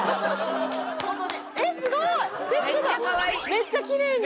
めっちゃきれいに。